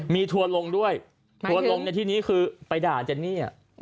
มีทัวร์ลงด้วยทัวร์ลงในที่นี้คือไปด่าเจนนี่